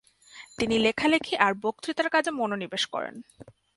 তিনি লেখালিখি আর বক্তৃতার কাজে মনোনিবেশ করেন।